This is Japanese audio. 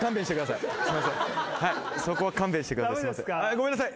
ごめんなさい。